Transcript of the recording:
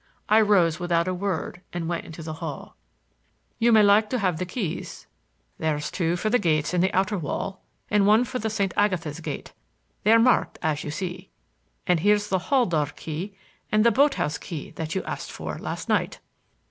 I rose without a word and went into the hall. "You may like to have the keys," said Bates, following me. "There's two for the gates in the outer wall and one for the St. Agatha's gate; they're marked, as you see. And here's the hall door key and the boat house key that you asked for last night."